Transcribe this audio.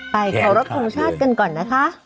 ไปขอรับภูมิชาติกันก่อนนะคะ